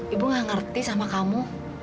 ibu gak ngerti sama kamu